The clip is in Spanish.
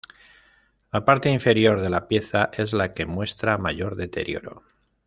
La parte inferior de la pieza es la que muestra mayor deterioro.